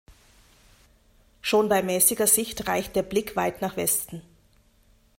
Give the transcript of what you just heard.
Schon bei mäßiger Sicht reicht der Blick weit nach Westen.